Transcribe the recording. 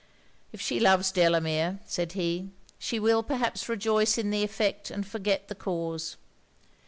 'If she loves Delamere,' said he, 'she will perhaps rejoice in the effect and forget the cause.